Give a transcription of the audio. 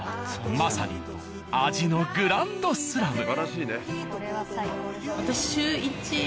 まさに味のグランドスラム。